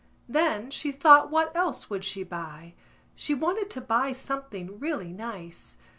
Then she thought what else would she buy: she wanted to buy something really nice.